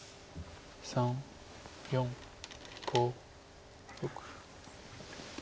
３４５６。